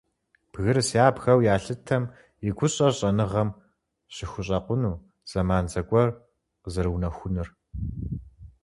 Бгырыс ябгэу ялъытэм и гущӏэр щӏэныгъэм щыхущӏэкъуну зэман зэгуэр къызэрыунэхунур.